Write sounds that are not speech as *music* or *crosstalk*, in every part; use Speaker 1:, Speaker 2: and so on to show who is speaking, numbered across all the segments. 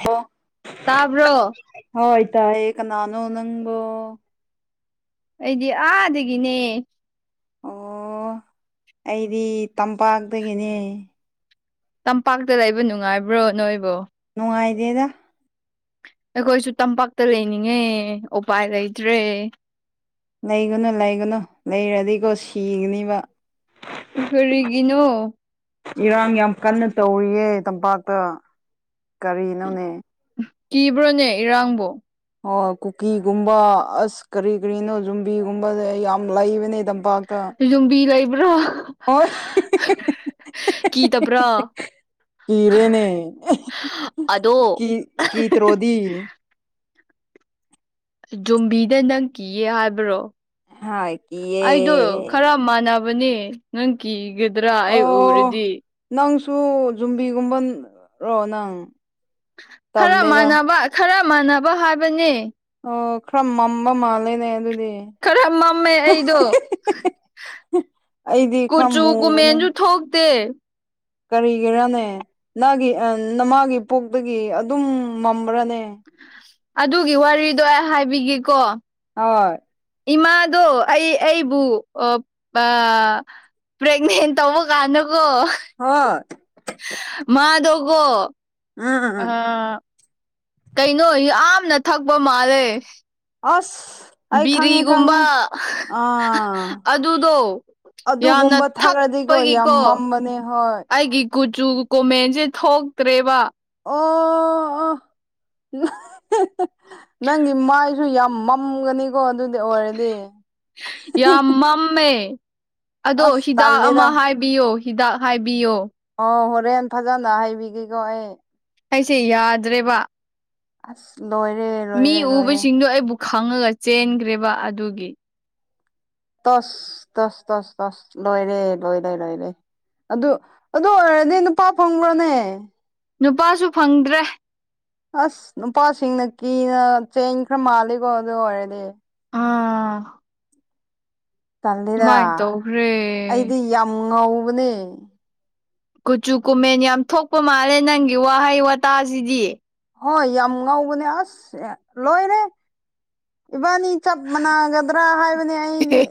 Speaker 1: ꯍ
Speaker 2: ꯇꯥꯕ꯭ꯔꯣ?
Speaker 1: ꯍꯣꯏ ꯇꯑꯦ ꯀꯅꯅꯣ ꯅꯪꯕꯣ?
Speaker 2: ꯑꯩꯗꯤ ꯑꯥꯗꯒꯤꯅꯦ
Speaker 1: ꯑꯣ ꯑꯩꯗꯤ ꯇꯝꯄꯥꯛꯇꯒꯤꯅꯦ
Speaker 2: ꯇꯝꯄꯥꯛꯇ ꯂꯩꯕ ꯅꯨꯡꯉꯥꯏꯕ꯭ꯔꯣ ꯅꯣꯏꯕꯨꯣ?
Speaker 1: ꯅꯨꯡꯉꯥꯏꯗꯦꯗ
Speaker 2: ꯑꯩꯈꯣꯏꯁꯨ ꯇꯝꯄꯥꯛꯇ ꯂꯩꯅꯤꯡꯉꯦ ꯎꯄꯥꯏ ꯂꯩꯇ꯭ꯔꯦ
Speaker 1: ꯂꯩꯒꯅꯨ ꯂꯩꯒꯅꯨ ꯂꯩꯔꯗꯤꯀꯣ ꯁꯤꯒꯅꯤꯕ
Speaker 2: ꯀꯔꯤꯒꯅꯣ?
Speaker 1: ꯏꯔꯥꯡ ꯌꯥꯝ ꯀꯟꯅ ꯇꯧꯔꯤꯌꯦ ꯇꯝꯄꯥꯛꯇ ꯀꯔꯤꯅꯣꯅꯦ꯫
Speaker 2: ꯀꯤꯕ꯭ꯔꯣꯅꯦ ꯏꯔꯡꯕꯨꯣ?
Speaker 1: ꯑꯣ ꯀꯨꯀꯤꯒꯨꯝꯕ ꯑꯁ ꯀꯔꯤ ꯀꯔꯤꯅꯣ ꯌꯨꯝꯕꯤꯒꯨꯝꯕꯁꯦ ꯑꯩ ꯌꯥꯝ ꯂꯩꯕꯅꯦ ꯇꯝꯄꯥꯛꯇ
Speaker 2: ꯌꯨꯝꯕꯤ ꯂꯩꯕ꯭ꯔꯣ?
Speaker 1: ꯍꯣꯏ
Speaker 2: ꯀꯤꯗꯕ꯭ꯔꯥ
Speaker 1: ꯀꯤꯔꯦꯅꯦ
Speaker 2: ꯑꯗꯣ
Speaker 1: ꯀꯤ ꯀꯤꯇ꯭ꯔꯣꯗꯤ
Speaker 2: ꯖꯨꯝꯕꯤꯗ ꯅꯪ ꯀꯤꯌꯦ ꯍꯥꯏꯕ꯭ꯔꯣ
Speaker 1: ꯍꯥꯏ
Speaker 2: ꯑꯩꯗꯣ
Speaker 1: ꯀꯤꯌꯦ
Speaker 2: ꯈꯔ ꯃꯥꯟꯅꯕꯅꯦ ꯅꯪ ꯀꯤꯒꯗ꯭ꯔꯥ ꯑꯩ
Speaker 1: ꯑꯣ
Speaker 2: ꯎꯔꯗꯤ?
Speaker 1: ꯅꯪꯁꯨ ꯖꯨꯝꯕꯤꯒꯨꯝꯕ ꯔꯣ ꯅꯪ?
Speaker 2: ꯈꯔ
Speaker 1: ꯇꯜꯂꯦꯗ
Speaker 2: ꯃꯥꯟꯅꯕ ꯈꯔ ꯃꯥꯟꯅꯕ ꯍꯥꯏꯕꯅꯤ
Speaker 1: ꯑꯣ ꯈꯔ ꯃꯝꯕ ꯃꯥꯜꯂꯦꯅꯦ ꯑꯗꯨꯗꯤ꯫
Speaker 2: ꯈꯔ ꯃꯝꯃꯦ ꯑꯩꯗꯣ꯫
Speaker 1: ꯑꯩꯗꯤ ꯈꯔ
Speaker 2: ꯀꯨꯆꯨ ꯒꯨꯃꯦꯟꯖꯨ ꯊꯣꯛꯇꯦ꯫
Speaker 1: ꯀꯔꯤꯒꯤꯔꯥꯅꯦ ꯅꯒꯤ ꯅꯃꯥꯒꯤ ꯄꯣꯛꯇꯒꯤ ꯑꯗꯨꯝ ꯃꯝꯕ꯭ꯔꯥꯅꯦ꯫
Speaker 2: ꯑꯗꯨꯒꯤ ꯋꯥꯔꯤꯗꯣ ꯑꯩ ꯍꯥꯏꯕꯤꯒꯦꯀꯣ꯫
Speaker 1: ꯍꯣꯏ
Speaker 2: ꯏꯃꯥꯗꯣ ꯑꯩ ꯑꯩꯕꯨ ꯑ ꯄ꯭ꯔꯦꯒꯅꯦꯟ ꯇꯧꯕ ꯀꯥꯟꯅꯀꯣ
Speaker 1: ꯍꯣꯏ
Speaker 2: ꯃꯥꯗꯒꯣ ꯑ
Speaker 1: ꯎꯝ
Speaker 2: ꯀꯩꯅꯣ ꯌꯥꯝꯅ ꯊꯛꯄ ꯃꯥꯜꯂꯦ꯫
Speaker 1: ꯑꯁ ꯑꯩ ꯈꯪꯉꯦ
Speaker 2: ꯕꯤꯔꯤꯒꯨꯝꯕ
Speaker 1: ꯈꯪꯉꯦ ꯑꯥ
Speaker 2: ꯑꯗꯨꯗꯣ꯫ ꯌꯥꯝꯅ
Speaker 1: ꯑꯗꯨꯒꯨꯝꯕ ꯊꯛꯔꯗꯤꯀꯣ ꯌꯥꯝ
Speaker 2: ꯊꯛꯄꯒꯤꯀꯣ
Speaker 1: ꯃꯝꯕꯅꯦ ꯍꯣꯏ
Speaker 2: ꯑꯩꯒꯤ ꯀꯨꯆꯨ ꯀꯣꯃꯦꯟꯁꯦ ꯊꯣꯛꯇ꯭ꯔꯦꯕ꯫
Speaker 1: ꯑꯣ ꯅꯪꯒꯤ ꯃꯥꯏꯗꯨ ꯌꯥꯝ ꯃꯝꯒꯅꯤꯀꯣ ꯑꯗꯨꯗꯤ ꯑꯣꯏꯔꯗꯤ
Speaker 2: ꯌꯥꯝ ꯃꯝꯃꯦ ꯑꯗꯣ
Speaker 1: ꯑꯁ
Speaker 2: ꯍꯤꯗꯥꯛ
Speaker 1: ꯇꯜꯂꯦꯗ
Speaker 2: ꯑꯃ ꯍꯥꯏ ꯕꯤꯌꯣ ꯍꯤꯗꯥꯛ ꯍꯥꯏꯕꯤꯌꯣ꯫
Speaker 1: ꯑꯣ ꯍꯣꯔꯦꯟ ꯐꯖꯅ ꯍꯩꯕꯤꯒꯦꯀꯣ ꯑꯩ
Speaker 2: ꯑꯩꯁꯦ ꯌꯥꯗ꯭ꯔꯦꯕ
Speaker 1: ꯑꯁ ꯂꯣꯏꯔꯦ ꯂꯣꯏꯔꯦ
Speaker 2: ꯃꯤ
Speaker 1: ꯂꯣꯏꯔꯦ꯫
Speaker 2: ꯎꯕꯁꯤꯡꯗꯣ ꯑꯩꯕꯨ ꯈꯪꯉꯒ ꯆꯦꯟꯈ꯭ꯔꯦꯕ ꯑꯗꯨꯒꯤ꯫
Speaker 1: ꯇꯁ ꯇꯁ ꯇꯁ ꯇꯁ ꯂꯣꯏꯔꯦ ꯂꯣꯏꯔꯦ ꯂꯣꯏꯔꯦ꯫ ꯑꯗꯨ ꯑꯗꯨ ꯑꯣꯏꯔꯅꯦ ꯅꯨꯄꯥ ꯐꯪꯕ꯭ꯔꯣꯅꯦ꯫
Speaker 2: ꯅꯨꯄꯥꯁꯨ ꯐꯪꯗ꯭ꯔꯦ꯫
Speaker 1: ꯑꯁ ꯅꯨꯄꯥꯁꯤꯡꯅ ꯀꯤꯅ ꯆꯦꯡ ꯈꯔ ꯃꯥꯜꯂꯤꯀꯣ ꯑꯗꯨ ꯑꯣꯏꯔꯗꯤ꯫
Speaker 2: ꯑꯥ
Speaker 1: ꯇꯜꯂꯤꯔ
Speaker 2: ꯑꯗꯨꯃꯥꯏꯅ ꯇꯧꯈ꯭ꯔꯦ
Speaker 1: ꯑꯩꯗꯤ ꯌꯥꯝ ꯉꯧꯕꯅꯦ꯫
Speaker 2: ꯀꯨꯆꯨ ꯀꯨꯃꯦꯟ ꯌꯥꯝ ꯊꯣꯛꯄ ꯃꯥꯜꯂꯦ ꯅꯪꯒꯤ ꯋꯥꯍꯩ ꯋꯥꯇꯥꯁꯤꯗꯤ꯫
Speaker 1: ꯍꯣꯏ ꯌꯥꯝ ꯉꯥꯎꯧꯕꯅꯦ ꯑꯁ ꯂꯣꯏꯔꯦ ꯏꯕꯥꯅꯤ꯫ ꯆꯞ ꯃꯥꯟꯅꯒꯗ꯭ꯔꯥ ꯍꯥꯏꯕꯅꯤ ꯑꯩꯗꯤ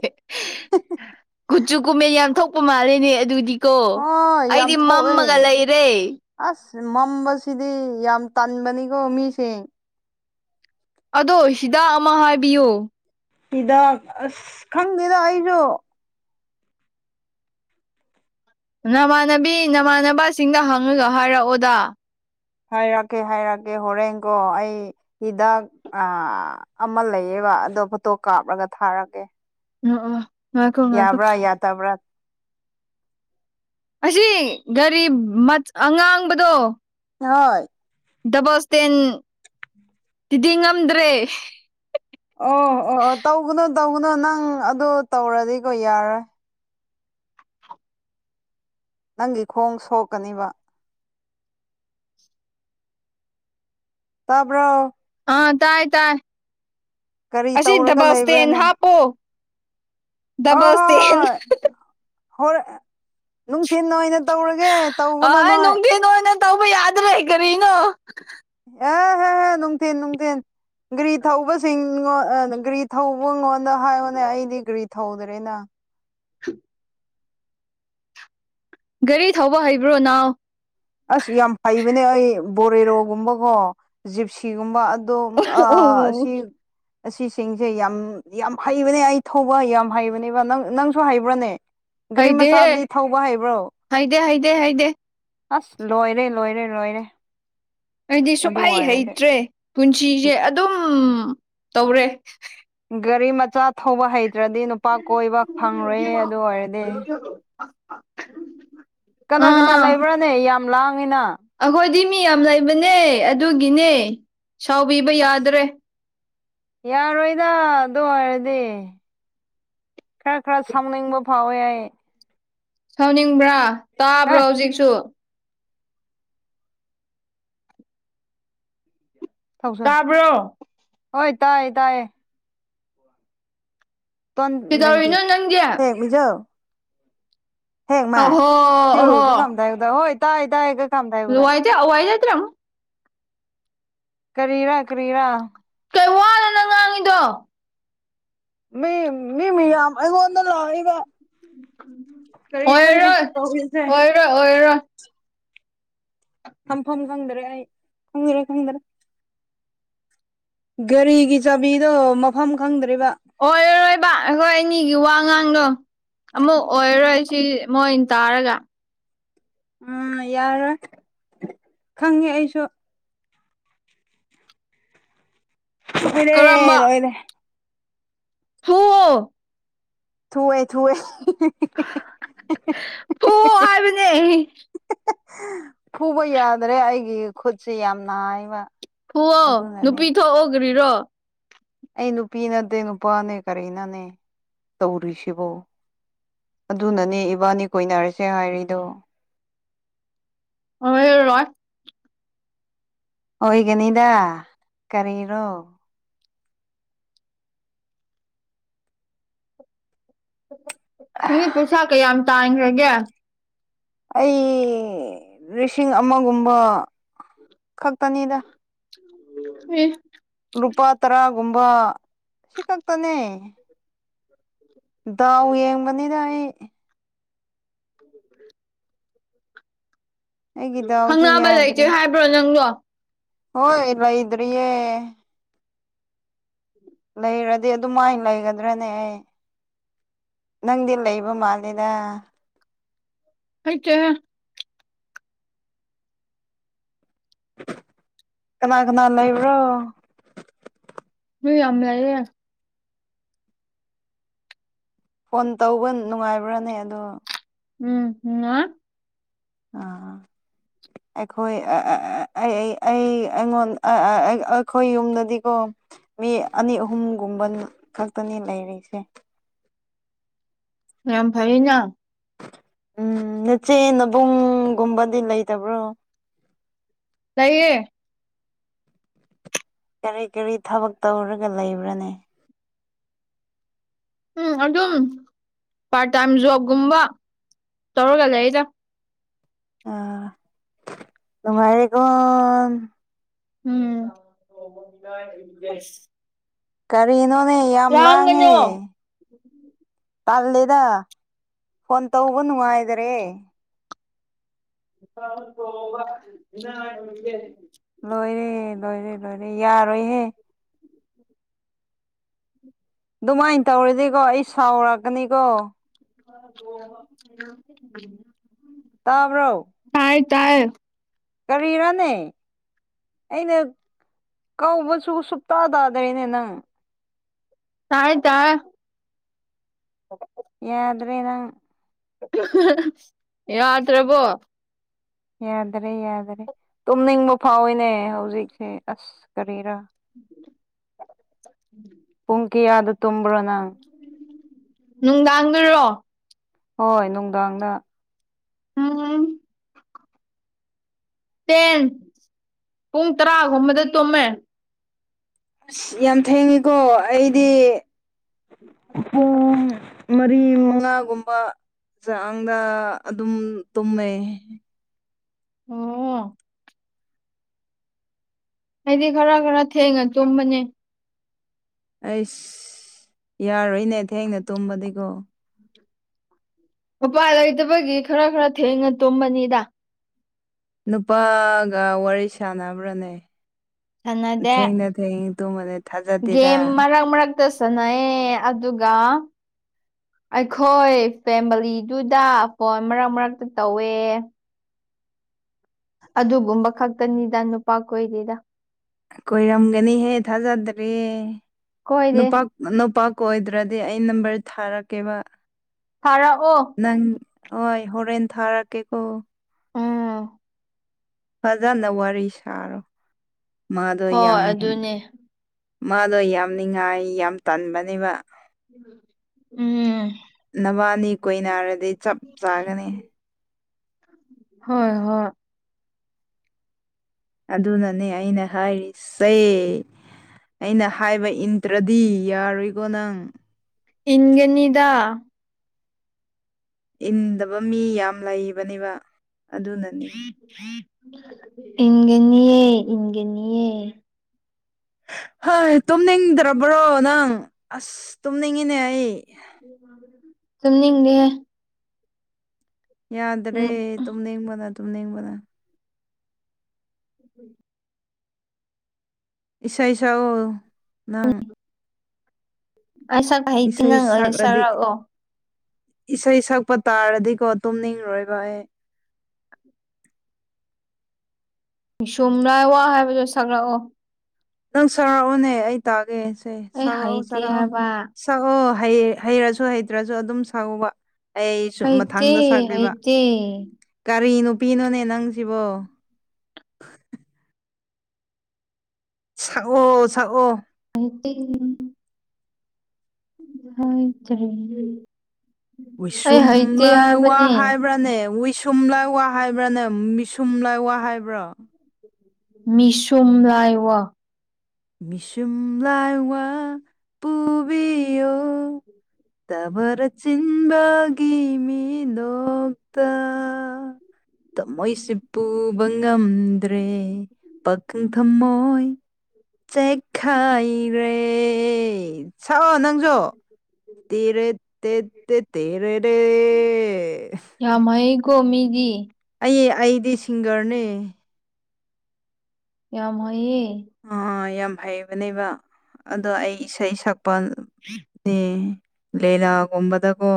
Speaker 2: ꯀꯨꯠꯆꯨ ꯀꯨꯃꯦꯟ ꯌꯥꯝ ꯊꯣꯛꯄ ꯃꯥꯂꯦꯅꯦ ꯑꯗꯨꯗꯤꯀꯣ
Speaker 1: ꯍꯣꯏ ꯌꯥꯝ
Speaker 2: ꯑꯩꯗꯤ ꯃꯝꯃꯒ
Speaker 1: ꯊꯣꯛꯑꯦ
Speaker 2: ꯂꯩꯔꯦ꯫
Speaker 1: ꯑꯁ ꯃꯝꯕꯁꯤꯗꯤ ꯌꯥꯝ ꯇꯟꯕꯅꯤꯀꯣ ꯃꯤꯁꯤꯡ
Speaker 2: ꯑꯗꯣ ꯍꯤꯗꯥꯛ ꯑꯃ ꯍꯥꯏꯕꯤꯌꯨ꯫
Speaker 1: ꯁꯤꯗ ꯑꯁ ꯈꯪꯗꯦꯗ ꯑꯩꯁꯨ
Speaker 2: ꯅꯃꯥꯟꯅꯕꯤ ꯅꯃꯥꯟꯅꯕꯁꯤꯡꯗ ꯍꯪꯉꯒ ꯍꯥꯏꯔꯛꯑꯣꯗ꯫
Speaker 1: ꯍꯥꯏꯔꯛꯀꯦ ꯍꯥꯏꯔꯛꯒꯦ ꯍꯣꯔꯦꯟꯀꯣ ꯑꯩ ꯍꯤꯗꯥꯛ ꯑ ꯑꯃ ꯂꯩꯌꯦꯕ ꯑꯗꯣ ꯐꯣꯇꯣ ꯀꯥꯞꯔꯒ ꯊꯥꯔꯒꯦ꯫
Speaker 2: ꯎ ꯑꯣ ꯉꯀꯣ ꯉꯀꯣ꯫
Speaker 1: ꯌꯥꯗꯕ꯭ꯔꯥ
Speaker 2: ꯑꯁꯤ ꯒꯥꯔꯤ ꯑꯉꯥꯡꯕꯗꯣ
Speaker 1: ꯍꯣꯏ
Speaker 2: ꯗꯕꯜꯁ ꯇꯦꯟ ꯇꯤꯗꯤ ꯉꯝꯗ꯭ꯔꯦ꯫
Speaker 1: ꯑꯣ ꯑꯣ ꯑꯣ ꯇꯧꯒꯅꯨ ꯇꯧꯒꯅꯨ ꯅꯪ ꯑꯗꯨ ꯇꯧꯔꯗꯤꯀꯣ ꯌꯥꯔꯣꯏ꯫ ꯅꯪꯒꯤ ꯈꯣꯡ ꯁꯣꯛꯀꯅꯤꯕ ꯇꯥꯕꯔꯣ
Speaker 2: ꯑꯥ ꯇꯥꯏ ꯇꯥꯏ
Speaker 1: ꯀꯔꯤ
Speaker 2: ꯑꯁꯤ
Speaker 1: ꯇꯧꯔꯒ
Speaker 2: ꯗꯕꯥꯇ
Speaker 1: ꯂꯩꯕ꯭ꯔꯥꯅꯦ
Speaker 2: ꯍꯥꯄꯣ
Speaker 1: ꯍꯣꯏ ꯍꯣꯏ ꯍꯣꯏ ꯍꯣꯔ ꯅꯨꯡ ꯊꯤꯟ ꯑꯣꯏꯅ ꯇꯧꯔꯒꯦ
Speaker 2: ꯑ
Speaker 1: ꯇꯧꯒꯅꯨ
Speaker 2: ꯑꯩ
Speaker 1: ꯅꯣꯏ
Speaker 2: ꯅꯨꯡꯊꯤ ꯑꯣꯏꯅ ꯇꯧꯕ ꯌꯥꯗ꯭ꯔꯦ ꯀꯔꯤꯅꯣ
Speaker 1: ꯑꯦ ꯅꯨꯡꯊꯤꯟ ꯅꯨꯡꯊꯤꯟ ꯒꯥ꯭ꯔꯤ ꯊꯧꯕꯁꯤꯡ ꯒꯥ꯭ꯔꯤ ꯊꯧꯕꯉꯣꯟꯗ ꯍꯥꯏꯌꯣꯅꯦ ꯑꯩꯗꯤ ꯒꯥ꯭ꯔꯤ ꯊꯧꯗ꯭ꯔꯦꯅ
Speaker 2: *unintelligible* ꯒꯥꯔꯤ ꯊꯧꯕ ꯍꯩꯕ꯭ꯔꯣ ꯅꯥꯎ
Speaker 1: ꯑꯁ ꯌꯥꯝ ꯐꯩꯕꯅꯦ ꯑꯩ ꯕꯣꯔꯦꯔꯣꯒꯨꯝꯕꯀꯣ ꯖꯤꯞꯁꯤꯒꯨꯝꯕ ꯑꯗꯣ
Speaker 2: ꯑꯣ
Speaker 1: ꯑꯁꯤ ꯑꯁꯤꯁꯤꯡꯁꯦ ꯌꯥꯝ ꯌꯥꯝ ꯍꯩꯕꯅꯦ ꯑꯩ ꯊꯧꯕ ꯌꯥꯝ ꯍꯩꯕꯅꯦꯕ ꯅꯪ ꯅꯪꯁꯨ ꯍꯩꯕ꯭ꯔꯅꯦ ꯒꯥ꯭ꯔꯤ ꯃꯆꯥꯗꯤ ꯊꯧꯕ ꯍꯕ꯭ꯔꯣ
Speaker 2: ꯍꯥꯏꯩꯗꯦ ꯍꯥꯏꯩꯗꯦ ꯍꯥꯏꯗꯦ
Speaker 1: ꯑꯁ ꯂꯣꯏꯔꯦ ꯂꯣꯏꯔꯦ ꯂꯣꯏꯔꯦ
Speaker 2: ꯑꯩꯗꯤ
Speaker 1: ꯑꯗꯨ
Speaker 2: ꯁꯨꯍꯩ
Speaker 1: ꯑꯣꯏꯔꯗꯤ
Speaker 2: ꯍꯩꯇ꯭ꯔꯦ ꯄꯨꯟꯁꯤꯁꯦ ꯑꯗꯨꯝ ꯇꯧꯔꯦ
Speaker 1: ꯒꯥꯔꯤ ꯃꯆꯥ ꯊꯧꯕ ꯍꯩꯇ꯭ꯔꯗꯤ ꯅꯨꯄꯥ ꯀꯣꯏꯕ ꯐꯪꯔꯦ ꯑꯗꯨ ꯑꯣꯏꯔꯗꯤ
Speaker 2: *unintelligible*
Speaker 1: ꯀꯅꯥ ꯀꯅꯥ
Speaker 2: ꯑꯥ
Speaker 1: ꯂꯩꯕ꯭ꯔꯥꯅꯦ ꯌꯥꯝ ꯂꯥꯡꯉꯤꯅ
Speaker 2: ꯑꯩꯈꯣꯏꯗꯤ ꯃꯤ ꯌꯥꯝ ꯂꯩꯕꯅꯦ ꯑꯗꯨꯒꯤꯅꯦ ꯁꯥꯎꯕꯤꯕ ꯌꯥꯗ꯭ꯔꯦ
Speaker 1: ꯌꯥꯔꯣꯏꯗ ꯑꯗꯨ ꯑꯣꯏꯔꯗꯤ ꯈꯔ ꯈꯔ ꯁꯥꯎꯅꯤꯡꯕ ꯐꯥꯎꯋꯦ ꯑꯩ
Speaker 2: ꯁꯥꯎꯅꯤꯡꯕ꯭ꯔꯥ
Speaker 1: ꯍꯦ
Speaker 2: ꯇꯥꯕ꯭ꯔꯣ ꯍꯧꯖꯤꯛꯁꯨ
Speaker 1: ꯊꯧꯁ
Speaker 2: ꯇꯥꯕ꯭ꯔꯣ
Speaker 1: ꯍꯣꯏ ꯇꯥꯏꯌꯦ ꯇꯥꯏꯌꯦ
Speaker 2: ꯀꯩꯗꯧꯔꯤꯅꯣ ꯅꯪꯗꯤ
Speaker 1: *unintelligible*
Speaker 2: ꯑꯍꯣ ꯑꯍꯣ
Speaker 1: ꯍꯣꯏ ꯇꯥꯏ ꯇꯥꯏ ꯀꯀꯥꯝ ꯗꯥꯏꯒꯨꯗꯥ
Speaker 2: *unintelligible*
Speaker 1: ꯀꯔꯤꯔꯥ ꯀꯔꯤꯔꯥ
Speaker 2: ꯀꯩ ꯋꯥꯂꯅ ꯉꯥꯡꯉꯤꯗꯣ
Speaker 1: ꯃꯤ ꯃꯤ ꯃꯤꯌꯥꯝ ꯑꯩꯉꯣꯟꯗ ꯂꯥꯛꯏꯕ ꯀꯔꯤꯗꯣꯅꯦ ꯇꯧꯕꯤꯁꯦ
Speaker 2: ꯑꯣꯏꯔꯣ
Speaker 1: ꯊꯝꯐꯝ ꯈꯪꯗ꯭ꯔꯦ ꯑꯩ ꯈꯪꯗꯔꯦ ꯈꯪꯗꯔꯦ ꯒꯥꯔꯤꯒꯤ ꯆꯥꯕꯤꯗꯣ ꯃꯐꯝ ꯈꯪꯗ꯭ꯔꯤꯕ ꯫
Speaker 2: ꯑꯣꯏꯔꯔꯣꯏꯕ ꯑꯩꯈꯣꯏ ꯑꯅꯤꯒꯤ ꯋꯥ ꯉꯥꯡꯗꯣ ꯫ ꯑꯃꯨꯛ ꯑꯣꯏꯔꯣꯏ ꯁꯤ ꯃꯣꯏ ꯇꯥꯔꯒ ꯫
Speaker 1: ꯎꯝ ꯌꯥꯔꯣꯏ ꯈꯪꯉꯦ ꯑꯩꯁꯨ
Speaker 2: ꯀꯔꯝꯕ
Speaker 1: ꯂꯣꯏꯔꯦ ꯂꯣꯏꯔꯦ
Speaker 2: ꯊꯨꯌꯣ
Speaker 1: ꯊꯨꯋꯦ ꯊꯨꯋꯦ
Speaker 2: ꯐꯨꯌꯣ ꯑꯣ ꯍꯥꯏꯕꯅꯦ ꯫
Speaker 1: ꯐꯨꯕ ꯌꯥꯗ꯭ꯔꯦ ꯑꯩꯒꯤ ꯈꯨꯠꯁꯤ ꯌꯥꯝ ꯅꯥꯏꯕ ꯫
Speaker 2: ꯐꯨꯌꯣ ꯅꯨꯄꯤ ꯊꯣꯛꯑꯣ ꯀꯔꯤꯔꯣ ꯫
Speaker 1: ꯑꯩ ꯅꯨꯄꯤ ꯅꯠꯇꯦ ꯅꯨꯄꯥꯅꯦ ꯀꯔꯤꯅꯣꯅꯦ ꯇꯧꯔꯤꯁꯤꯕꯣ ꯫ ꯑꯗꯨꯅꯅꯦ ꯏꯕꯥꯅꯤ ꯀꯣꯏꯅꯔꯁꯦ ꯍꯥꯏꯔꯤꯗꯣ ꯫
Speaker 2: ꯑꯣꯏꯔꯔꯣꯏ
Speaker 1: ꯑꯣꯏꯒꯅꯤꯗ ꯀꯔꯤꯔꯣ ꯫
Speaker 2: ꯗꯤ ꯄꯩꯁꯥ ꯀꯌꯥꯝ ꯇꯥꯡꯈ꯭ꯔꯒꯦ ꯫
Speaker 1: ꯑꯩ ꯂꯤꯁꯤꯡ ꯑꯃꯒꯨꯝꯕ ꯈꯛꯇꯅꯤꯗ ꯫
Speaker 2: ꯑꯦ
Speaker 1: ꯂꯨꯄꯥ ꯇꯔꯥꯒꯨꯝꯕ ꯁꯤꯈꯛꯇꯅꯦ ꯗꯥꯎ ꯌꯦꯡꯕꯅꯤꯗ ꯑꯩ ꯫ ꯑꯩꯒꯤ ꯗꯥꯎꯁꯤ
Speaker 2: ꯈꯪꯅꯕ ꯂꯩꯇꯦ
Speaker 1: ꯌꯥꯗ꯭ꯔꯦ
Speaker 2: ꯍꯥꯏꯕ꯭ꯔꯣ ꯅꯪꯗꯣ ꯫
Speaker 1: ꯍꯣꯏ ꯂꯩꯗ꯭ꯔꯤꯌꯦ ꯫ ꯂꯩꯔꯗꯤ ꯑꯗꯨꯃꯥꯏꯅ ꯂꯩꯒꯗ꯭ꯔꯅꯦ ꯑꯩ ꯅꯪꯗꯤ ꯂꯩꯕ ꯃꯥꯂꯦꯗ ꯫
Speaker 2: ꯂꯩꯇꯦꯍꯦ
Speaker 1: ꯀꯅꯥ ꯀꯅꯥ ꯂꯩꯕ꯭ꯔꯣ
Speaker 2: ꯑꯗꯨ ꯌꯥꯝ ꯂꯩꯌꯦ
Speaker 1: ꯐꯣꯟ ꯇꯧꯕ ꯅꯨꯡꯉꯥꯏꯕ꯭ꯔꯥꯅꯦ ꯑꯗꯣ
Speaker 2: ꯎꯝ ꯅꯨꯡꯉꯥꯏ
Speaker 1: ꯑꯥ ꯑꯩꯈꯣꯏ ꯑ ꯑ ꯑ ꯑꯩ ꯑꯩꯉꯣꯟ ꯑꯑ ꯑꯩꯈꯣꯏ ꯌꯨꯝꯗꯗꯤꯀꯣ ꯃꯤ ꯑꯅꯤ ꯑꯍꯨꯝꯒꯨꯝꯕ ꯈꯛꯇꯅꯤ ꯂꯩꯔꯤꯁꯦ
Speaker 2: ꯌꯥꯝ ꯐꯩꯅ
Speaker 1: ꯎꯝ ꯅꯆꯦ ꯅꯕꯨꯡꯒꯨꯝꯕꯗꯤ ꯂꯩꯇꯕ꯭ꯔꯣ
Speaker 2: ꯂꯩꯌꯦ
Speaker 1: ꯀꯔꯤ ꯀꯔꯤ ꯊꯕꯛ ꯇꯧꯔꯒ ꯂꯩꯕ꯭ꯔꯅꯦ
Speaker 2: ꯎꯝ ꯑꯗꯨꯝ ꯄꯥꯔꯠ ꯇꯥꯏꯝ ꯖꯣꯕꯀꯨꯝꯕ ꯇꯧꯔꯒ ꯂꯩꯗ
Speaker 1: ꯑꯥ ꯅꯨꯡꯉꯥꯏꯔꯦ
Speaker 2: ꯎꯝ *unintelligible*
Speaker 1: ꯀꯔꯤꯅꯣꯅꯦ ꯌꯥꯝ ꯂꯥꯡꯉꯦ
Speaker 2: ꯂꯥꯡꯒꯅꯣ
Speaker 1: ꯇꯜꯂꯦꯗ ꯐꯣꯟ ꯇꯧꯕ ꯅꯨꯡꯉꯥꯏꯗꯔꯦ
Speaker 2: *unintelligible*
Speaker 1: ꯂꯣꯏꯔꯦ ꯂꯣꯏꯔꯦ ꯂꯣꯏꯔꯦ ꯌꯥꯔꯣꯏꯍꯦ ꯑꯗꯨꯃꯥꯏꯅ ꯇꯧꯔꯗꯤꯀꯣ ꯑꯩ ꯁꯥꯎꯔꯛꯀꯅꯤꯀꯣ
Speaker 2: *unintelligible*
Speaker 1: ꯇꯥꯕ꯭ꯔꯣ
Speaker 2: ꯇꯥꯏ ꯇꯥꯏ
Speaker 1: ꯀꯔꯤꯔꯅꯦ ꯑꯩꯅ ꯀꯧꯕꯁꯨ ꯁꯨꯡꯇꯥ ꯇꯥꯗ꯭ꯔꯦꯅꯦ ꯅꯪ
Speaker 2: ꯇꯥꯔꯦ ꯇꯥꯔꯦ *inaudible*
Speaker 1: ꯌꯥꯗꯔꯦ ꯅꯪ
Speaker 2: ꯌꯥꯗꯔꯕꫭ
Speaker 1: ꯌꯥꯗꯔꯦ ꯌꯥꯗꯔꯦ ꯇꯨꯝꯅꯤꯡꯕ ꯐꯥꯎꯋꯤꯅꯦ ꯍꯧꯖꯤꯛꯁꯦ ꯑꯁ ꯀꯔꯤꯔꯥ
Speaker 2: ꯎꯝ *unintelligible*
Speaker 1: ꯄꯨꯡ ꯀꯌꯥ ꯇꯨꯝꯕ꯭ꯔ ꯅꯪ
Speaker 2: ꯅꯨꯡꯗꯥꯡ ꯗꯔꯣ
Speaker 1: ꯍꯣꯏ ꯅꯨꯡꯗꯥꯡꯗ
Speaker 2: ꯊꯦꯡꯉꯦꯝ ꯇꯦꯟ ꯄꯨꯡ ꯇꯔꯥꯒꯨꯝꯕꯗ ꯇꯨꯝꯃꯦ
Speaker 1: ꯑꯁ ꯌꯥꯝ ꯊꯦꯡꯉꯤꯀꯣ ꯑꯩꯗꯤ ꯄꯨꯡ ꯃꯔꯤ ꯃꯪꯉꯥꯒꯨꯝꯕ ꯆꯥꯡꯗ ꯑꯗꯨꯝ ꯇꯨꯝꯃꯦ
Speaker 2: ꯑꯣ ꯑꯩꯗꯤ ꯈꯔ ꯈꯔ ꯊꯦꯡꯉ ꯇꯨꯝꯕꯅꯦ
Speaker 1: ꯑꯩꯁ ꯌꯥꯔꯣꯏꯅꯦ ꯊꯦꯡꯅ ꯇꯨꯝꯕꯗꯤꯀꯣ
Speaker 2: ꯎꯄꯥꯏ ꯂꯩꯇꯕꯒꯤ ꯈꯔ ꯈꯔ ꯊꯦꯡꯅ ꯇꯨꯝꯕꯅꯤꯗ
Speaker 1: ꯅꯨꯄꯥꯒ ꯋꯥꯔꯤ ꯁꯥꯟꯅꯕ꯭ꯔꯥꯅꯦ
Speaker 2: ꯁꯥꯟꯅꯗꯦ
Speaker 1: ꯊꯦꯡꯅ ꯊꯦꯡꯅ ꯇꯨꯝꯃꯗꯤ
Speaker 2: ꯒꯦꯝ ꯃꯔꯛ ꯃꯔꯛꯇ ꯁꯥꯟꯅꯩꯌꯦ ꯑꯗꯨꯒ ꯑꯩꯈꯣꯏ ꯐꯦꯃꯂꯤꯗꯨꯗ ꯐꯣꯟ ꯃꯔꯛ ꯃꯔꯛꯇ ꯇꯧꯋꯦ ꯑꯗꯨꯒꯨꯝꯕ ꯈꯛꯇꯅꯤꯗ ꯅꯨꯄꯥ ꯀꯣꯏꯗꯦꯗ
Speaker 1: ꯀꯣꯏꯔꯝꯒꯅꯤꯍꯦ ꯊꯥꯖꯗ꯭ꯔꯦ
Speaker 2: ꯀꯣꯏꯗꯦ
Speaker 1: ꯅꯨꯄꯥ ꯅꯄꯥ ꯀꫭꯏꯗ꯭ꯔꯗꯤ ꯑꯩ ꯅꯝꯕꯔ ꯊꯥꯔꯛꯀꯦꯕ
Speaker 2: ꯊꯥꯔꯛꯑꯣ
Speaker 1: ꯅꯪ ꯍꯣꯏ ꯍꯣꯔꯦꯟ ꯊꯥꯔꯛꯀꯦꯀꯣ
Speaker 2: ꯎꯝ
Speaker 1: ꯐꯖꯅ ꯋꯥꯔꯤ ꯁꯥꯔꯣ ꯃꯥꯗꯣ
Speaker 2: ꯍꯣꯏ
Speaker 1: ꯌꯥꯝ
Speaker 2: ꯑꯗꯨꯅꯦ
Speaker 1: ꯃꯥꯗꯣ ꯌꯥꯝ ꯉꯥꯏ ꯌꯥꯝ ꯇꯟꯕꯅꯦꯕ
Speaker 2: ꯎꯝ
Speaker 1: ꯅꯕꯥꯅꯤ ꯀꯣꯏ ꯅꯥꯔꯗꯤ ꯆꯞ ꯆꯥꯒꯅꯤ
Speaker 2: ꯍꯣꯏ ꯍꯣꯏ
Speaker 1: ꯑꯗꯨꯅꯅꯦ ꯑꯩꯅ ꯍꯥꯏꯔꯤꯁꯦ ꯑꯩꯅ ꯍꯥꯏꯕ ꯏꯟꯇ꯭ꯔꯗꯤ ꯌꯥꯔꯣꯏꯀꯣ ꯅꯪ
Speaker 2: ꯏꯪꯒꯅꯤꯗ
Speaker 1: ꯏꯟꯗꯕ ꯃꯤ ꯌꯥꯝ ꯂꯩꯕꯅꯤꯕ ꯑꯗꯨꯅꯅꯤ
Speaker 2: ꯏꯟꯒꯅꯤꯑ ꯏꯟꯒꯅꯤꯑ
Speaker 1: ꯍꯣꯏ ꯇꯨꯝꯅꯤꯡꯗ꯭ꯔꯕ꯭ꯔꯣ ꯅꯪ ꯑꯁ ꯇꯨꯝꯅꯤꯡꯉꯤꯅꯦ ꯑꯩ
Speaker 2: ꯎ ꯁꯅꯤꯒ ꯎꯝ
Speaker 1: ꯌꯥꯗ꯭ꯔꯦ ꯇꯨꯝꯅꯤꯡꯕꯗ ꯇꯨꯝꯅꯤꯡꯕꯗ
Speaker 2: ꯎꯝ
Speaker 1: ꯏꯁꯥ ꯏꯁꯥ ꯅꯪ
Speaker 2: ꯑꯁꯥ ꯀ ꯍꯥꯏꯩꯇꯤ
Speaker 1: ꯏꯁꯩ
Speaker 2: ꯅꯪ ꯑꯣꯏ
Speaker 1: ꯁꯛꯂꯗꯤ
Speaker 2: ꯆꯔꯛꯑꯣ
Speaker 1: ꯏꯁꯩ ꯁꯛꯄ ꯇꯥꯔꯗꯤꯀꯣ ꯇꯨꯝꯅꯤꯡꯂꯣꯏꯕ ꯑꯩ
Speaker 2: ꯃꯤꯤꯁꯨꯝ ꯂꯥꯏ ꯋꯥ ꯍꯥꯏꯕꯗꯨꯣ ꯁꯛꯂꯛꯑꯣ
Speaker 1: ꯅꯪ ꯁꯥꯎꯔꯛꯑꯣꯅꯦ ꯑꯩ ꯇꯥꯒꯦꯁꯦ
Speaker 2: ꯑꯩ
Speaker 1: ꯁꯥꯎꯔꯛꯑꯣ
Speaker 2: ꯍꯩꯇꯦ
Speaker 1: ꯆꯥꯔꯛꯑꯣ
Speaker 2: ꯍꯥꯏꯕ
Speaker 1: ꯁꯛꯑꯣ ꯍꯩꯔꯁꯨ ꯍꯩꯇ꯭ꯔꯁꯨ ꯑꯗꯨꯝ ꯁꯛꯎꯕ ꯑꯩ ꯁ
Speaker 2: ꯍꯩꯇꯦ
Speaker 1: ꯃꯊꯪꯗ ꯁꯛꯂꯤꯕ
Speaker 2: ꯍꯩꯇꯦ
Speaker 1: ꯀꯔꯤ ꯅꯨꯄꯤꯅꯣꯅꯦ ꯅꯪꯁꯤꯕꯣ ꯁꯛꯑꯣ ꯁꯛꯑꯣ
Speaker 2: ꯑꯠꯇ ꯍꯠꯇꯔꯦ
Speaker 1: ꯀꯨꯏꯁꯨꯝꯂ ꯋꯥ
Speaker 2: ꯍꯥꯏꯕꯅꯦ
Speaker 1: ꯍꯥꯏꯕ ꯍꯥꯏꯕ꯭ꯔꯅꯦ ꯎꯋꯏꯁꯨꯝ ꯂꯥꯏ ꯋꯥ ꯍꯥꯏꯕ꯭ꯔꯥꯅꯦ ꯃꯤꯁꯨꯝ ꯂꯥꯏ ꯋꯥ ꯍꯥꯏꯕ꯭ꯔꯥ
Speaker 2: ꯃꯤꯁꯨꯝ ꯂꯥꯏꯋꯥ
Speaker 1: ꯃꯤꯁꯨꯝ ꯂꯋꯥ ꯄꯨꯕꯤꯌꯣ ꯇꯕꯔ ꯆꯤꯟꯤꯟꯕꯥꯒꯤ ꯃꯤ ꯗꯣꯛꯣꯛꯛꯇ *inaudible* ꯇꯃꯣꯏꯁꯤꯦ ꯄꯨꯕ ꯉꯝꯗ꯭ꯔꯦ ꯄꯈꯪ ꯊꯝꯃꯣꯏ ꯆꯦꯛꯈꯥꯏꯔꯦ ꯁꯛꯑꯣ ꯅꯪꯁꯨꯣ ꯇꯔ ꯇ ꯇ ꯇꯔꯔꯦ
Speaker 2: ꯌꯥꯃꯥꯏ ꯀꯣ ꯃꯤꯗꯤ
Speaker 1: ꯑꯩ ꯑꯩꯗꯤ ꯁꯤꯡꯒꯔꯅꯦ
Speaker 2: ꯀ ꯍꯌꯦ
Speaker 1: ꯑ ꯌꯥꯝ ꯍꯩꯕꯅꯦꯕ ꯑꯗꯣ ꯑꯩ ꯏꯁꯩ ꯁꯛꯄ ꯂꯤꯂꯥꯒꯨꯝꯕꯗꯀꯣ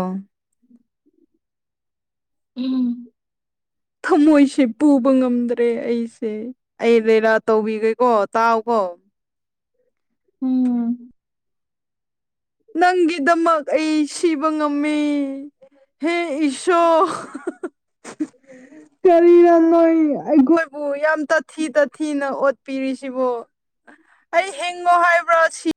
Speaker 2: ꯎꯝ
Speaker 1: ꯊꯃꯣꯏꯁꯦ ꯄꯨꯕ ꯉꯝꯗ꯭ꯔꯦ ꯑꯩꯁꯦ ꯑꯩ ꯂꯤꯦꯂꯥ ꯇꯧꯕꯤꯒꯦꯀꯣ ꯇꯥꯎ ꯀꯣ
Speaker 2: ꯎꯝ
Speaker 1: ꯅꯪꯒꯤꯗꯃꯛ ꯑꯩ ꯁꯤꯕ ꯉꯝꯃꯤ ꯍꯦ ꯏꯁꯣ ꯀꯔꯤꯅ ꯅꯣꯏ ꯑꯩꯈꯣꯏꯕꯨ ꯌꯥꯝ ꯇꯥꯊꯤ ꯇꯥꯊꯤꯅ ꯑꯣꯠꯄꯤꯔꯤꯁꯤꯕꯣ ꯑꯩ ꯍꯤꯡꯉꯣ ꯍꯥꯏꯕ꯭ꯔꯥ ꯁꯤ